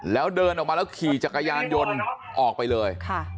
แล้วเดินออกมาแล้วขี่จักรยานยนต์ออกไปเลย